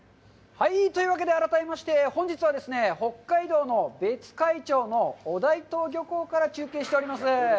ハイ、というわけで、改めまして、本日はですね、北海道の別海町の尾岱沼漁港から中継しております。